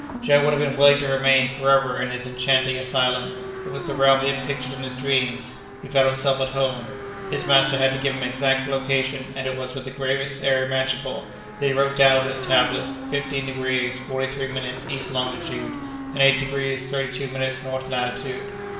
Joe would have been willing to remain forever in this enchanting asylum; it was the realm he had pictured in his dreams; he felt himself at home; his master had to give him his exact location, and it was with the gravest air imaginable that he wrote down on his tablets fifteen degrees forty three minutes east longitude, and eight degrees thirty two minutes north latitude.